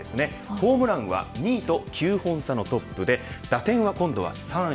ホームランは２位と９本差でトップ打点は今度は３位。